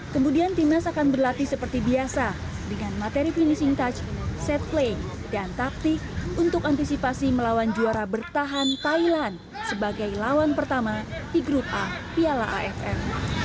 kemudian timnas akan berlatih seperti biasa dengan materi finishing touch set play dan taktik untuk antisipasi melawan juara bertahan thailand sebagai lawan pertama di grup a piala aff